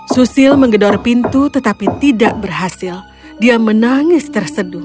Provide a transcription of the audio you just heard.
susil menggedor pintu tetapi tidak berhasil dia menangis terseduh